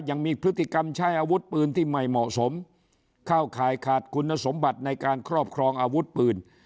ยังมีพฤติกรรมใช้อาวุธปืนที่ไม่เหมาะสมเข้าข่ายขาดคุณสมบัติในการครอบครองอาวุธปืน